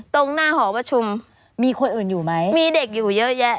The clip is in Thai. ตรงหน้าหอประชุมมีคนอื่นอยู่ไหมมีเด็กอยู่เยอะแยะ